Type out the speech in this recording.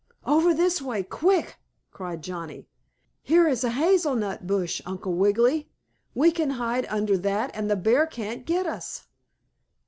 "Over this way! Quick!" cried Johnnie. "Here is a hazel nut bush, Uncle Wiggily. We can hide under that and the bear can't get us!"